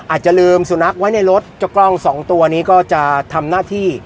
อาจจะลืมสุนัขไว้ในรถเจ้ากล้องสองตัวนี้ก็จะทำหน้าที่